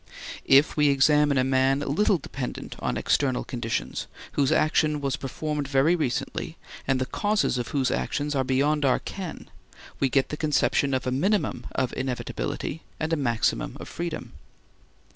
If we examine a man little dependent on external conditions, whose action was performed very recently, and the causes of whose action are beyond our ken, we get the conception of a minimum of inevitability and a maximum of freedom.